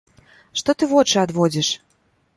Што ты вочы адводзіш?